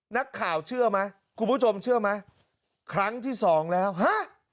นักข่าวเชื่อไหมคุณผู้ชมเชื่อไหมครั้งที่สองแล้วฮะ